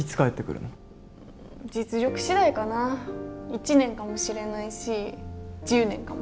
１年かもしれないし１０年かも。